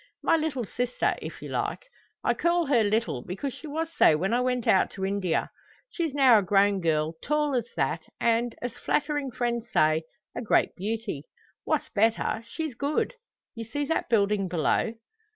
"My little sister, if you like. I call her little because she was so when I went out to India. She's now a grown girl, tall as that, and, as flattering friends say, a great beauty. What's better, she's good. You see that building below?"